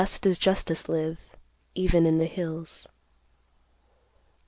Thus does justice live even in the hills.